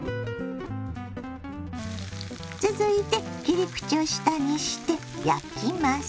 続いて切り口を下にして焼きます。